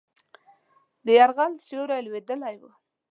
د یرغل سیوری لوېدلی وو.